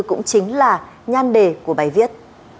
cũng chính là nhan đề của bài viết